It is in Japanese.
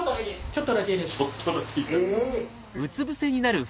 ちょっとだけ痛い。